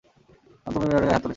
কারণ তুমি মেয়রের গায়ে হাত তুলেছো।